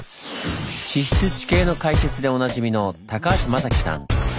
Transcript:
地質・地形の解説でおなじみの高橋雅紀さん。